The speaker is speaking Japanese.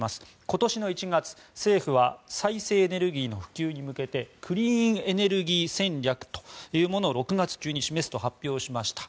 今年の１月、政府は再生可能エネルギーの普及に向けてクリーンエネルギー戦略というものを６月中に示すと発表しました。